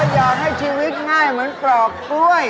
อยากให้ชีวิตง่ายเหมือนปลอกกล้วย